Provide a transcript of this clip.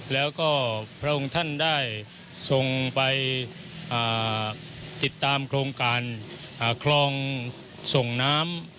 แล้วก็พระองค์ท่านได้ส่งไปติดตามโครงการคลองส่งน้ำ